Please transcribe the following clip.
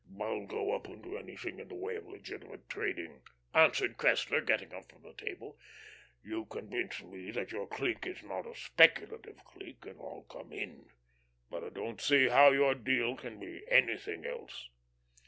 "I'll go into anything in the way of legitimate trading," answered Cressler, getting up from the table. "You convince me that your clique is not a speculative clique, and I'll come in. But I don't see how your deal can be anything else."